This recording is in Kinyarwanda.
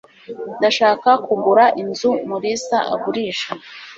ndashaka kugura inzu mulisa agurisha